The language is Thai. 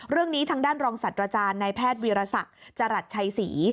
เรื่องนี้ทางด้านรองศัตว์อาจารย์ในแพทย์วีรศักดิ์จรัสชัยศรี